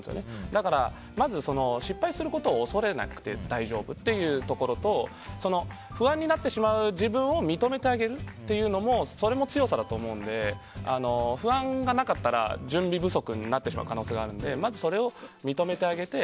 だから、まず失敗することを恐れなくて大丈夫というところと不安になってしまう自分を認めてあげるというのもそれも強さだと思うんで不安がなかったら準備不足になってしまう可能性があるのでまず、それを認めてあげて。